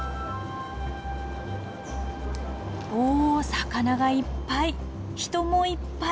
お魚がいっぱい人もいっぱい！